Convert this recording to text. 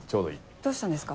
どうしたんですか？